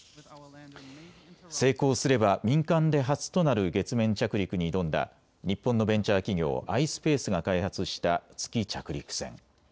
成功すれば民間で初となる月面着陸に挑んだ日本のベンチャー企業、ｉｓｐａｃｅが開発した月着陸船。